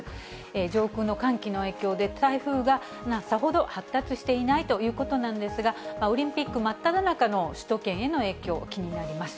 上空の寒気の影響で、台風がさほど発達していないということなんですが、オリンピック真っただ中の首都圏への影響、気になります。